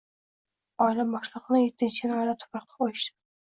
Oila boshlig`ini ettinchi yanvarda tuproqqa qo`yishdi